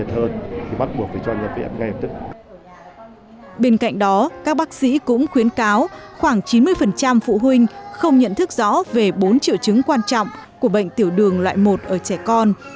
bên cạnh đó các bác sĩ cũng khuyến cáo khoảng chín mươi phụ huynh không nhận thức rõ về bốn triệu chứng quan trọng của bệnh tiểu đường loại một ở trẻ con